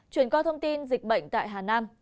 chuyển qua thông tin dịch bệnh tại hà nam